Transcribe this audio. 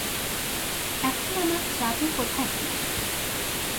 এখন আমার চাবি কোথায় বলো।